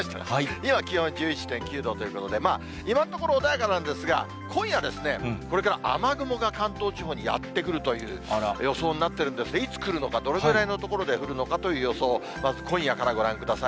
今、気温１１．９度ということで、まあ、今のところ穏やかなんですが、今夜ですね、これから雨雲が関東地方にやって来るという予想になってるんですが、いつ来るのか、どれぐらいの所で降るのかという予想を今夜からご覧ください。